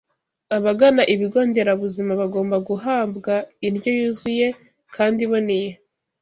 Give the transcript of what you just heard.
Abagana ibigo nderabuzima bagomba guhabwa indyo yuzuye kandi iboneye